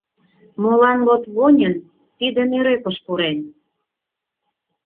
Молан Лотвонен тиде нӧрепыш пурен?